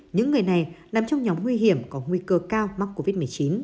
những người này nằm trong nhóm nguy hiểm có nguy cơ cao mắc covid một mươi chín